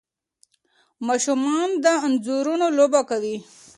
ماشومان د انځورونو لوبه کوي.